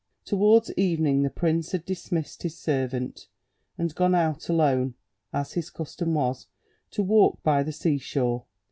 Towards evening the prince had dismissed his servant, and gone out alone, as his custom was, to walk by the seashore.